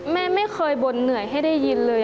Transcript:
แม่ไม่เคยบ่นเหนื่อยให้ได้ยินเลย